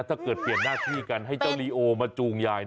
ถ้าเกิดเปลี่ยนหน้าที่กันให้เจ้าลีโอมาจูงยาย